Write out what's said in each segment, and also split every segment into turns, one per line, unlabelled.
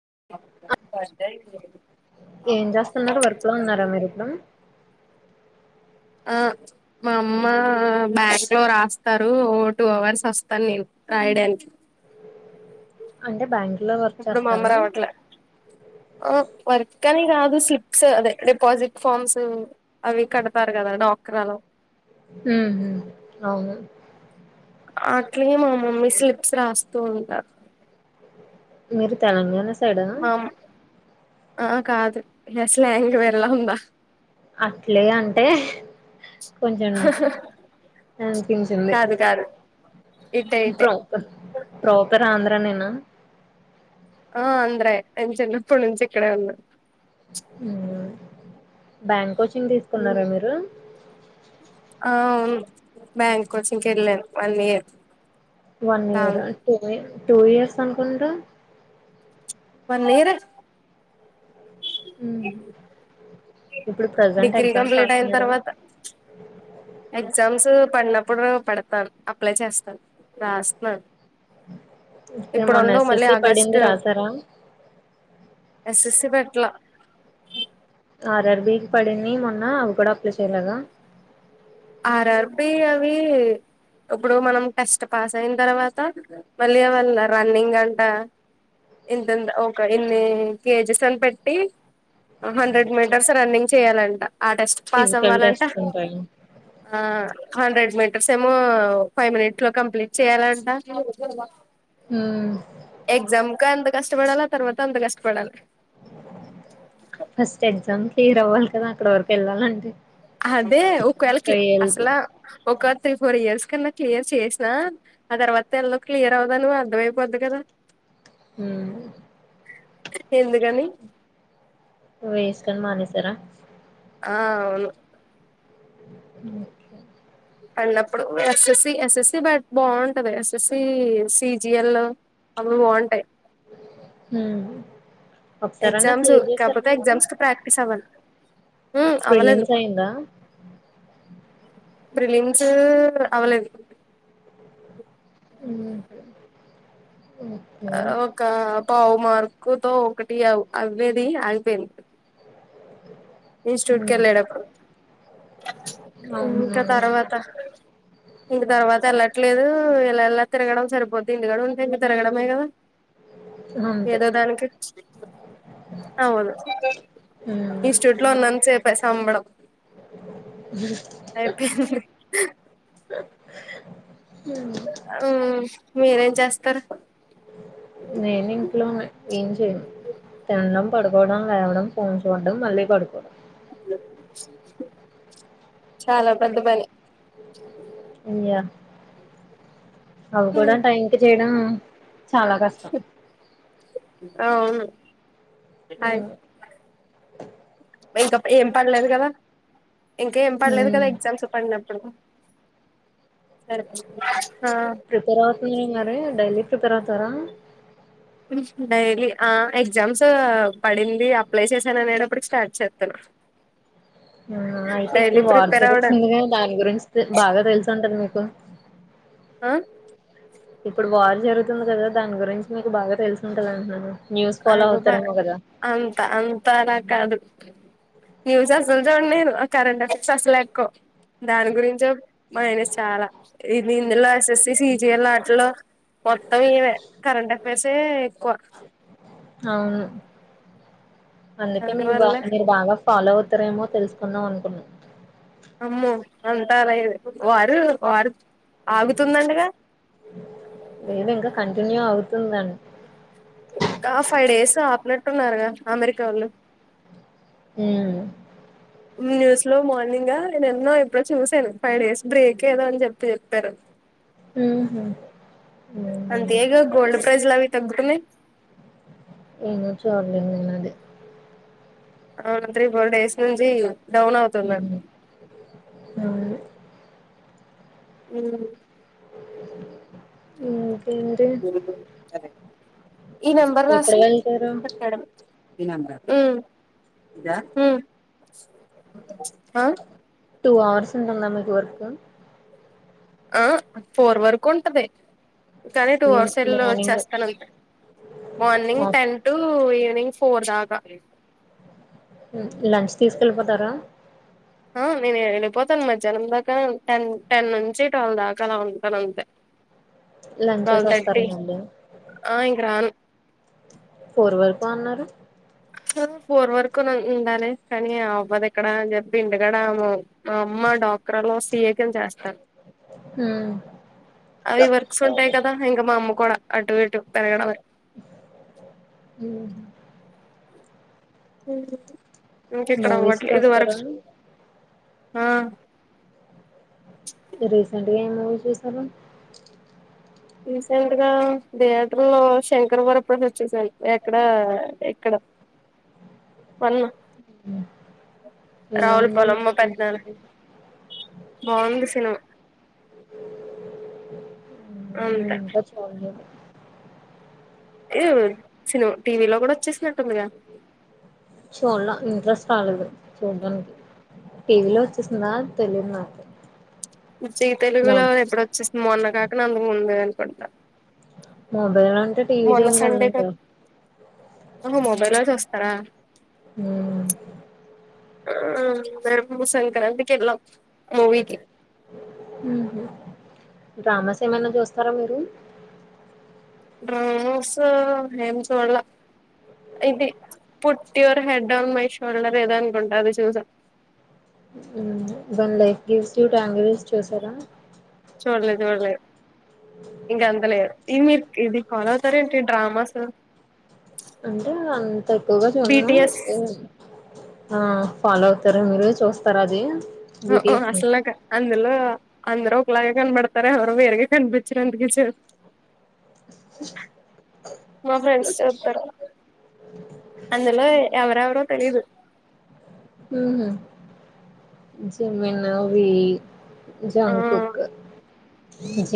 [unintelligible] ఏం చేస్తున్నారు వర్క్ లో ఉన్నారా మీరు ఇప్పుడు.
ఆ మా అమ్మ మేగిసిమామ్ రాస్తారు ఓ టూ అవర్స్ వస్తాను, నేను రాయడానికి.
అంటే బ్యాం
ఇప్పుడు మాఅమ్మ రావట్లే ఆ వర్క్ అని కాదు. స్లిప్స్ అదే డిపాజిట్ ఫామ్స్ అవి కడతారు కదా డ్వాక్రా లో.
ఉ అవును
అట్లే మా మమ్మీ స్లిప్స్ రాస్తూ ఉంటారు.
మీరు తెలంగాణ స సైడ
మా ఆ కాదు ఎ స్లెంగ్ వెరలా ఉందా.
అట్లే అంటే కొంచెం అనిపించింది
కాదు కాదు ఇటే ఇటే
ప్రాపర్ ప్రాపర్ ఆంధ్రా నేనా
ఆ ఆంధ్రే నేన్ చిన్నప్పున్నించి ఇక్కడే ఉన్నా
[inaudible] బ్యాంక్ కోచింగ్ తీసుకున్నారా మీరు
అ అవును బ్యాంక్ కోచింగ్ కెళ్ళాను వన్ ఇయర్
వన్ఇయర్ ఆ టూ ఇయర్స్ అనుకుంటా
వన్ ఇయర్
హ
డిగ్రీ కంప్లీట్ అయిన తర్వాత ఎగ్జామ్స్ పడ్డ అప్పుడు పడతాను అప్లై చేస్తాను రాస్తున్నాను
అయితే
ఇప్పుడు
మొన్న
ఉండవు మళ్ళీ
ఎస్ఎస్సి పడింది
ఆగస్టు
రాసారా
ఎస్ఎస్సీ బ్యాంక్ లా
ఆర్ఆర్బికి పడింది మొన్న అవి కూడా అప్లై చేయలేదా
ఆర్ఆర్బీ అవి ఇప్పుడు మనం టెస్ట్ పాస్ అయిన తర్వాత మళ్ళీ రన్నింగ్ అంట ఇంత ఒక ఇన్ని కేజెస్ అని పెట్టి హండ్రెడ్ మీటర్స్ రన్నింగ్ చేయాలంట ఆ టెస్ట్ పాస్
ఫిజికల్
అవ్వాలంటే
టెస్ట్స్ ఉంటాయి
ఆ హండ్రెడ్ మీటర్స్ ఏమో ఫైవ్ మినిట్స్ లో కంప్లీట్ చేయాలంట
ఆ
ఎక్జామ్ క ఎంత కష్టపడాల తర్వాత అంత కష్టపడాల
ఫస్ట్ ఎగ్జామ్ ఈడవ్వలి కదా అక్కడ వరకు వెళ్లాలంటే
అదే ఒకవేళకి అసలా ఒక త్రీ ఫోర్ ఇయర్స్ కన్నా క్లియర్ చేసినా ఆ తర్వాత ఎందుకు క్లియర్ అవదో అర్ధంమయిపోదీ కదా
అ
ఎందుకని
వేస్ట్ అని మానేసార
ఆ అవును
[inaudible]
పన్నప్పుడు ఎస్ఎస్సి ఎస్ఎస్సి బ బాగుంటది ఎస్ఎస్సి సీజిఎల్ అవి బాగుంటాయి
హ
ఎగ్జామ్స్ కాకపోతే ఎగ్జామ్స్ కు ప్రాక్టీస్ అవ్వాలి అవ్వలేదు
ప్రిలిమ్స్ అయిందా
ప్రిలిమ్స్ అవ్వలేదు
[inaudible] ఓకే
ఒక పావు మార్కు తో ఒకటి అయ్యేది ఆగిపోయింది ఇన్స్టిట్యూట్కి
హ్మ్
వెళ్ళేటప్పుడు
అవునా
ఇంకా తర్వాత ఇంక తర్వాత వెళ్లట్లేదు ఇలా ఎలా తిరగడం సరిపోద్ది ఇంటికాడుంటే ఇంక తిరగడమే కదా
అంతే
ఏదో దానికి అవును
హ్మ్
ఇష్ట ఉన్నంతసేపే సంబడం ఐపిఎల్
అ
ఉమ్ మీరేం చేస్తారు
నేను ఇంట్లోనే ఏం చేయను తినడం పడుకోవడం లేవడం ఫోన్ చూడడం మళ్ళీ పడుకోవడం
చాలా పెద్ద పని
అయ్యా అవి కూడా టైంకి చేయడం చాలా కష్టం
అవును అయ్
ఉమ్
ఇంకా ఏం పనిలేదు కదా ఇంకా ఏం పనీలేదు కదా
హ్మ్.
ఎగ్జామ్స్ పడినప్పుడు ఆ
ప్రిపేర్ అవుతున్నారా మరి డైలీ ప్రిపేర్ అ వతరా
డైలీ ఆ ఎగ్జామ్స్ పడింది అప్లై చేశాను అనేటప్పుడుకి స్టార్ట్ చేస్తాను
అయితే
డైలీ
ఇప్పుడు వారు
ప్రిపేర్ అవ్వడం
జరుగుతుందిగా దాని గురించి బాగా తెలుసు ఉంటది మీకు
ఆ
ఇప్పుడు వార్ జరుగుతుంది కదా దాని గురించి మీకు బాగా తెలుసు ఉంటంది అంటున్నాను న్యూస్
అ
ఫాలో
ఐదు రూపాయ
అవుతారేమో కదా
అంత అంతలా కాదు న్యూస్ అసలు చూడను నేను ఆ కరెంట్ అఫైర్స్ అసలు ఎక్కువ దాని గురించో మైనస్ చాలా ఇది ఇందులో ఎస్ ఎస్ సి సిజిల ఆటలో మొత్తం ఇవ కరెంట్ అఫైర్సే ఎక్కువ
అవును అందుకే మీకు బా
అందువల్ల
మీరు బాగా ఫాలో అవుతారేమో తెలుసుకుందాం అనుకున్నా
అమ్మో అంతార వారు వారు ఆగుతుందంటగా
ఏది ఇంకా కంటిన్యూ అవు తుందని
ఇ ఫైవ్ డేస్ ఆపనట్టున్నారుగా అమెరికా వాళ్ళు
ఉమ్
న్యూస్ లో మార్నింగ్ నేను ఎన్నో ఎప్పుడో చూసాను ఫైవ్ డేస్ బ్రేక్ ఏదో అని చెప్పి చెప్పారు
ఉహు
అంత
ఉమ్
ఏదొ గోల్డ్ ప్రైజ లావి తగ్గుతున్నాయ్
ఏను చూడలే నెనది
అవును త్రి ఫోర్ డేస్ నుంచి డౌన్ అవుతుందండి
ఉమ్. అవును
ఉం
ఉం ఏంటి
ఈ నెంబర్
ఎప్పుడు వెళ్తారు
ఉం ఇదా ఉం ఆ
టూ అవర్స్ ఉంటందా మీకు వర్క్
ఆ ఫోర్ వరకు ఉంటది కానీ టూ అవర్స్
మార్నింగ్
ఎల్లోచ్చేస్తాను అంతే morning ten to evening four దా గ
లంచ్ తీసుకెళ్ళిపోతారా
ఆ నే నె వెళ్ళిపోతాను మధ్యానం దాకా టెన్ టెన్ నుంచి ట్వెల్వ్ దాకా అలా ఉంటాను అంతే
లంచెస్
ట్వెల్వ్
వస్తారు
థర్టీ
మళ్ళీ
ఆ ఇంక రాను
ఫోర్ వరకు అన్నారు
ఫోర్ వరకు ఉండాలి కానీ అవ్వదు ఎక్కడ అని చెప్పి ఇంటికాడ మా అమ్మ డాక్టర్లో సీఏకని చేస్తాను
హ్మ్
అవి వర్క్స్ ఉంటాయి కదా ఇంకా మా అమ్మ కూడా అటు ఇటు పెరగడం
ఉమ్
[unintelligible] ఇంక ఇక్కడ
మూవీస్
అవ్వట్లే వర్క్
చూస్తారా
ఆ
రీసెంట్ గా ఎ మ్ మూవీ చూసారు
రీసెంట్ గా థియేటర్ లో శంకర్ వర ప్రసాద్ చూసాను ఎక్కడ ఎక్కడ పన్న
ఎలా
రావుల
ఉంది
పలమ్మ మా పెదనాన్న బాగుంది సినిమా
[inaudible]
అంతే
ఇంకా చాల
ఏవ్ సినిమా టీవీ లో కూడా వచ్చేసిన
చూడ్ల ఇంట్రెస్ట్ రాలేదు చూడ్డానికి టీవీలో వచ్చేస్తుందా తెలియదు నాకు
చ్చ
మొ
తెలుగులో ఎప్పుడ వచ్చేస్తుంది మొన్న కాక అందుకు ముందు అని కొడత
వంటచేయడాని అంత టీవీ జోలికెళ్ళానండి
హో మొబైల్లో చూస్తారా
హ్మ్
బ్రమ్ము సంక్రాంతికెల్లాం మూవకి
డ్రామాస్ ఏమైనా చూస్తారా మీరు
డ్రామోస్ హేం చూడలా ఇది put your head on my shoulder ఏదో అనుకుంట అది చూసా
when life gives you tangerines చూసారా
చూడలేదు చూడలేదు ఇంక అంతలేదు ఇది మీరు ఇది ఫాలో అవుతార ఏంటి డ్రామాస్
అంటే అంత ఎక్కువగా చూన్ను
బిటిఎస్
ఆ ఫాలో అవుతారు మీరు చూస్తార అది బిటిఎస్ ని
అసలునాక అందులో అందరు ఒకలాగే కనపడతారు ఎవరో వేరుగ కనిపించారుందుక మా ఫ్రెండ్స్ చెప్తారు అందులో ఎవరెవరో తెలిదు
జిమిన్, వి జంగ్కుక్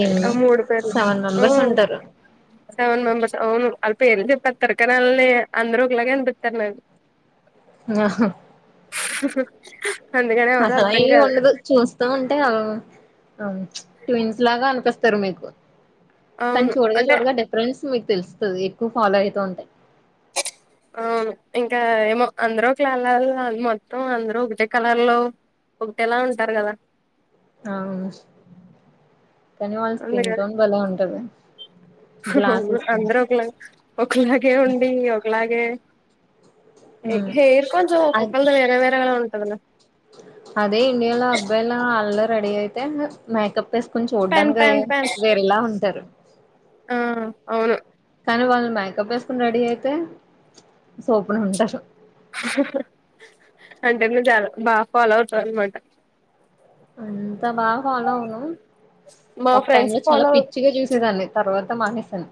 అదే ఆ మూడు పేరు
ఉంటారు
సెవెన్ మెంబర్స్ అవును వాళ్ళ పేర్ చెప్పి తరకనాళని అందరు ఒకలాగ అనిపితారు నా
ఆ
అందుకని ఎవరు
అసలు
అర్థం
ఏం
కాదు
ఉండదు చూస్తా ఉంటే అ ట్విన్స్ లాగా అనిపిస్తారు మీకు కానీ
అవును
చూడగా
అంటే
చూడగా డిఫరెన్స్ తెలుస్తుంది ఎక్కువ ఫాలో అయిత ఉంటాయి
ఆ ఇంకా ఏమో అందరు కాలలు మొత్తం అందరు ఒకటే కలర్లో ఒకటేలా ఉంటారు కదా
అవును కానీ వాళ్ళు స్కిన్ టోన్ బలే ఉంటది గ్లాసీ స్కిన్
అందరు ఒకలా ఒకలాగే ఉండి ఒకలాగే ఏ
హ్మ్.
హేర్ కొంచం ఒ
అద్
కుక్కల్ ది వేర వేరగా ఉంటదిలే
అదే ఇండియాలో అబ్బాయిలా అల్లా రెడీ అయితే మేకప్ వేసుకొని
పెన్
చూడ్డానికి
పెన్ పెన్
వేరేలా ఉంటారు
ఆ అవును
కానీ వాళ్ళు మేకప్ వేసుకుని రెడీ అయితే సూపర్గుంటారు
అ చాలా బా ఫాలో అవుతార్ అనమాట
అంతా బాగా ఫాలో అవను
మా
ఒక టైం
ఫ్రెండ్స్
లో చాలా
ఫాలో
పిచ్చిగా చూసేదాన్ని తర్వాత మానేసాను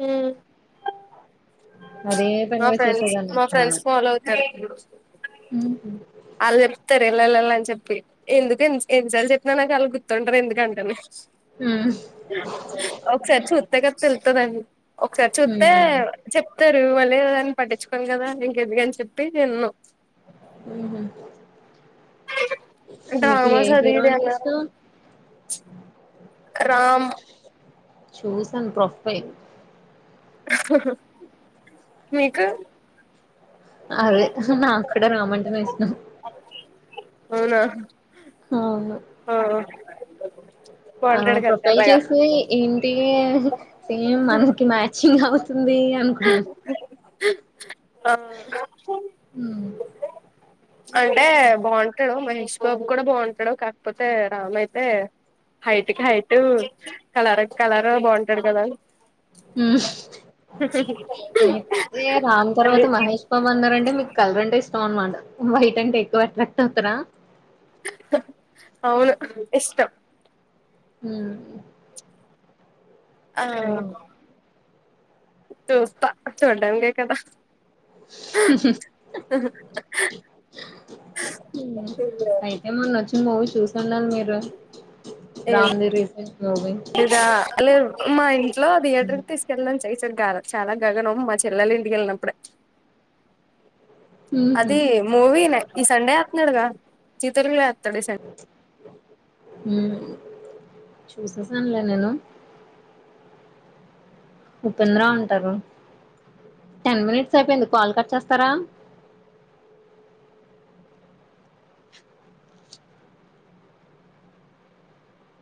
హ్మ్
అదే
మా
పనిగా
ఫ్రెండ్స్
చూసేదాన్ని
మా
అసలు
ఫ్రెండ్స్ ఫాలో అవుతారు
ఉహు.
ఆళ చెప్తారు ఎళ్లెలళ్ల అని చెప్పి ఎందుకే ఎన్నిసార్లు చెప్పినా నాకు అలుగు తుంటారు ఎందుకంటేని
ఉమ్.
ఒకసారి చూత్తే కదా తెలు స్తదండి ఒకసారి చూత్తే
ఉమ్.
చెప్ తారు లేదు దాని పట్టించుకోను కదా ఇంకెందుకని చెప్పి ఇన్ను
ఊహు మీకు ఏ
డ్రామాస్ అది
హీరో
ఇది
అంటే
అన్నారు
ఇష్టం
రామ్
చూసాను ప్రొఫైల్
మీకు
అదే నా క్కూడా రామయ వైష్ణవ్
అవునా
అవును
ఆ
ఆ
బాగుంటాడు కదా
ప్రొఫైల్
తెల్లగా
చూసి ఏంటే సేమ్ మనకి మ్యాచింగ్ అవు తుంది అనుకున్నా
ఆ
హ్మ్.
అంటే బాగుంటాడు మహేష్ ష్ బాబు కూడా బాగుంటాడు కాకపోతే రామ్ అయితే హైట్ కి హైటు కలర్ కు కలర్ బాగుంటాడు కదా
ఉ అయితే రామ్
అన్ని
తర్వాత మహేష్ బాబు అన్నారంటే మీకు కలర్ అంటే ఇష్ ష్టం అన్నమాట వైట్ అంటే ఎక్కువ అట్రాక్ట్ అవుతారా
అవును ఇష్టం
హు
ఆ చూస్తా చూడ్డానికి అయితే బా
అయితే మన్నొచ్చు మూవీ చూసిండరు మీరు రామ్ ది రీసెంట్ మూవీ
అమ్మాయి లో
హ్మ్.
టిఏటర్కి తీసుకెళ్ళడం చేయిచ్చు కాదు చాలా గగనం మా చెల్లెలు ఇంటికి వెళ్ళినప్పుడే
హుహు.
అదిీ మూవినే ఈ సండే వత్తనాడుగా జీతం తో ఆ డాసెన్
ఉమ్ చూసేసానులే నేను ఉపేంద్ర అంటారు టెన్ మినిట్స్ అయిపోయింది కాల్ కట్ చేస్తారా